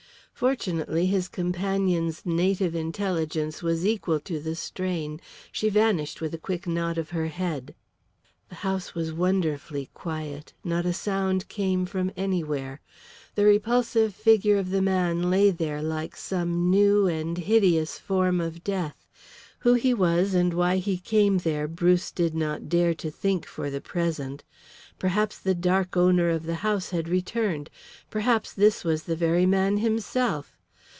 Fortunately his companion's native intelligence was equal to the strain. She vanished with a quick nod of her head. The house was wonderfully quiet; not a sound came from anywhere. The repulsive figure of the man lay there like some new and hideous form of death. Who he was and why he came there Bruce did not dare to think for the present. Perhaps the dark owner of the house had returned; perhaps this was the very man himself.